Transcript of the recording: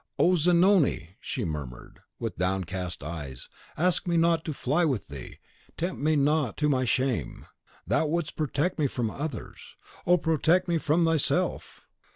"Oh, Zanoni!" she murmured, with downcast eyes, "ask me not to fly with thee; tempt me not to my shame. Thou wouldst protect me from others. Oh, protect me from thyself!"